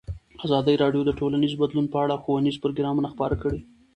ازادي راډیو د ټولنیز بدلون په اړه ښوونیز پروګرامونه خپاره کړي.